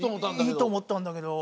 いいとおもったんだけど。